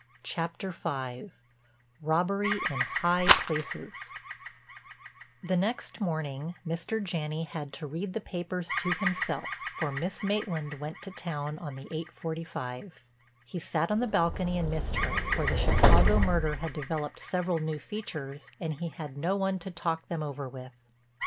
CHAPTER V—ROBBERY IN HIGH PLACES The next morning Mr. Janney had to read the papers to himself for Miss Maitland went to town on the 8:45. He sat on the balcony and missed her, for the Chicago murder had developed several new features and he had no one to talk them over with.